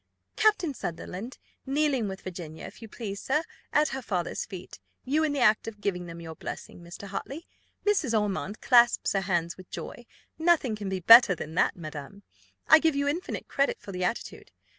Captain Sunderland kneeling with Virginia, if you please, sir, at her father's feet: you in the act of giving them your blessing, Mr. Hartley. Mrs. Ormond clasps her hands with joy nothing can be better than that, madam I give you infinite credit for the attitude.